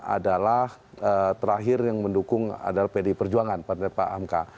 adalah terakhir yang mendukung adalah pd perjuangan pak hamka